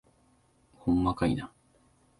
ほんまかいな